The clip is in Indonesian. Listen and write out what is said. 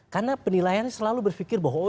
karena penilaian selalu berpikir bahwa